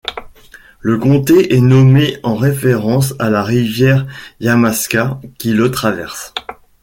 Le comté est nommé en référence à la rivière Yamaska qui le traverse.